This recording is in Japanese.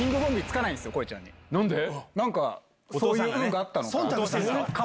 そういう運があったのか。